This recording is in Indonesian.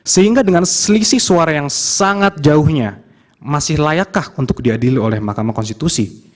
sehingga dengan selisih suara yang sangat jauhnya masih layakkah untuk diadili oleh mahkamah konstitusi